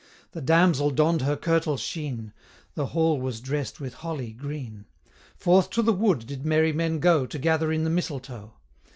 The damsel donn'd her kirtle sheen; The hall was dress'd with holly green; 35 Forth to the wood did merry men go, To gather in the mistletoe.